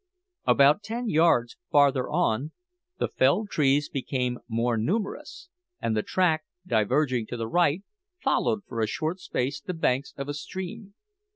About ten yards farther on, the felled trees became more numerous, and the track, diverging to the right, followed for a short space the banks of a stream.